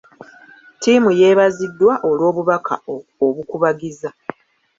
Ttiimu yeebaziddwa olw'obubaka obukubagiza.